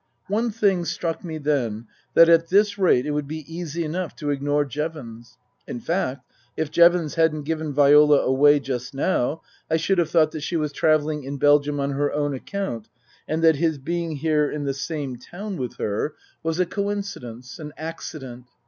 One thing struck me then, that at this rate it would be easy enough to ignore Jevons. In fact, if Jevons hadn't given Viola away just now I should have thought that she was travelling in Belgium on her own account and that his being here in the same town with her was 70 Tasker Jevons a coincidence, an accident.